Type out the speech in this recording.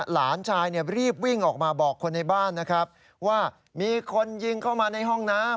หลานชายรีบวิ่งออกมาบอกคนในบ้านนะครับว่ามีคนยิงเข้ามาในห้องน้ำ